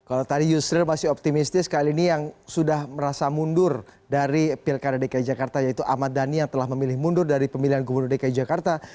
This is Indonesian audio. kalau tadi yusril masih optimistis kali ini yang sudah merasa mundur dari pilkada dki jakarta yaitu ahmad dhani yang telah memilih mundur dari pemilihan gubernur dki jakarta